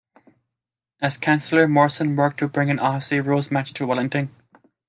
As councilor, Morrison worked to bring an Aussie Rules match to Wellington.